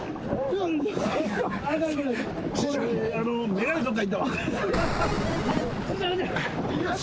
眼鏡どっかいったわ。